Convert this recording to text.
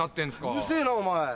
うるせぇなお前。